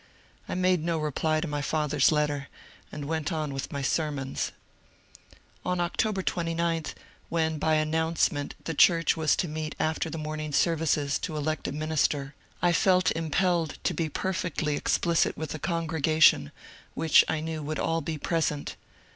I made no reply to my father's letter, and went on with my sermons. On October 29, when by announcement the church was to meet after the morning services to elect a minister, I felt MY CHURCH AT WASHINGTON 189 impeUed to be perfectly explicit with the congregation^ which I knew would all be present.